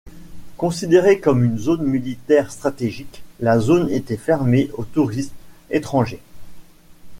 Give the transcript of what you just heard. Considérée comme une zone militaire stratégique, la zone était fermée aux touristes étrangers.